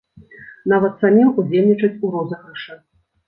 Нават самім удзельнічаць у розыгрышы.